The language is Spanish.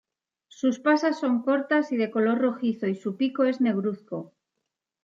Sus pasas son cortas y de color rojizo y su pico es negruzco.